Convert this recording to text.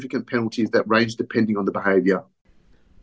ada penalti penting yang bergantung pada pergerakan